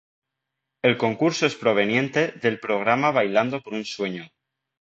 El concurso es proveniente del programa Bailando por un Sueño.